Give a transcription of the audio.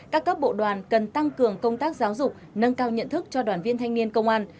các cấp bộ đoàn cần tăng cường công tác giáo dục nâng cao nhận thức cho đoàn viên thanh niên công an